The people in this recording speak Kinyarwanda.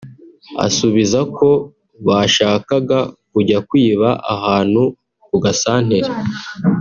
asubiza ko bashakaga kujya kwiba ahantu ku gasanteri